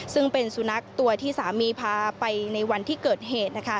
ซึ่งเป็นสุนัขตัวที่สามีพาไปในวันที่เกิดเหตุ